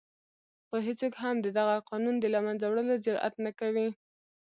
خو هېڅوک هم د دغه قانون د له منځه وړلو جرآت نه کوي.